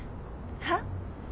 はっ？